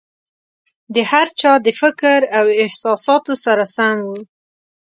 د هر چا د فکر او احساساتو سره سم وو.